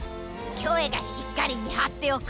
キョエがしっかりみはっておく。